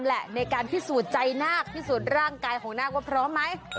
ในการพิสูจน์ใจนาคพิสูจน์ร่างกายของนาคว่าพร้อมไหม